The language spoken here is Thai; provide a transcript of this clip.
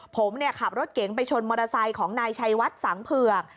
ผมขับรถเก๋งไปชนมอเตอร์ไซค์ของนายชัยวัดสังเผือก